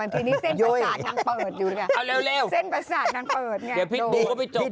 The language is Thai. ที่นี่เส้นประสาน้ำเปิดอยู่